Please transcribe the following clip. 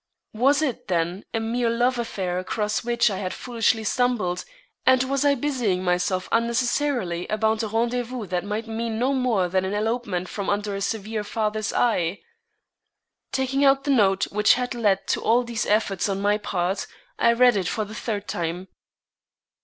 Was it, then, a mere love affair across which I had foolishly stumbled, and was I busying myself unnecessarily about a rendezvous that might mean no more than an elopement from under a severe father's eye? Taking out the note which had led to all these efforts on my part, I read it for the third time.